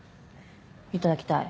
いただきたい？